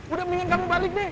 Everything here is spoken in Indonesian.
udah mendingan kamu balik deh